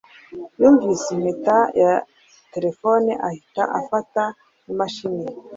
yumvise impeta ya terefone ahita afata imashini